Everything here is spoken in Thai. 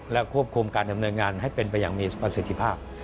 และควบคุมการดำเนินงานให้เป็นไปอย่างมีประสิทธิภาพ